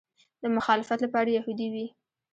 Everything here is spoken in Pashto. د مخالفت لپاره یهودي وي.